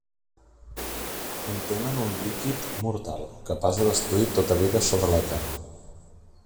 Contenen un líquid mortal, capaç de destruir tota vida sobre la Terra.